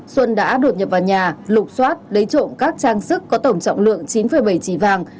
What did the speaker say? xuân đã đột nhập vào nhà lục xoát lấy trộm các trang sức có tổng trọng lượng chín bảy chỉ vàng